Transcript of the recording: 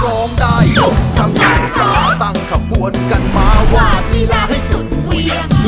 ร้องได้ยกกำลังซ่าตั้งขบวนกันมาวาดวีลาให้สุดเวียด